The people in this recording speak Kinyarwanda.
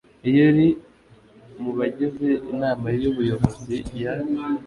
iyo uri mu bagize inama y ubuyobozi ya